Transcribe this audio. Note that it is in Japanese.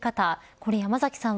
これ山崎さん